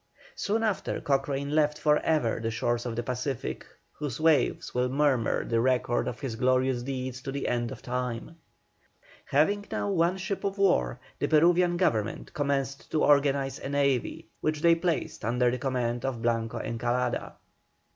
Soon after, Cochrane left for ever the shores of the Pacific, whose waves will murmur the record of his glorious deeds to the end of time. Having now one ship of war, the Peruvian Government commenced to organize a navy, which they placed under the command of Blanco Encalada.